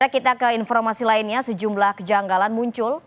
kita ke informasi lainnya sejumlah kejanggalan muncul